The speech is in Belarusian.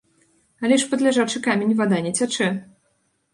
Але ж пад ляжачы камень вада не цячэ!